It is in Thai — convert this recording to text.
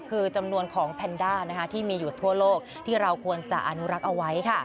คือจำนวนของแพนด้าที่มีอยู่ทั่วโลกที่เราควรจะอนุรักษ์เอาไว้ค่ะ